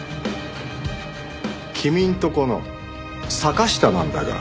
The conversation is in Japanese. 君のとこの坂下なんだが。